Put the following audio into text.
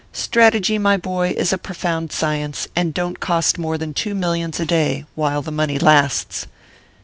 Strategy, my boy, is a profound science, and don t cost more than two millions a day, while the money lasts.